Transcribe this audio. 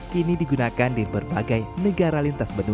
kini digunakan di berbagai negara lintas benua